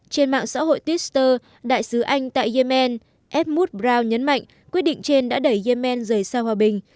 trên mạng xã hội twitter đại sứ anh tại yemen abmut brown nhấn mạnh quyết định trên đã đẩy yemen rời xa hòa bình